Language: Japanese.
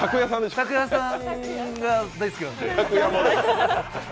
拓哉さんが大好きなんで。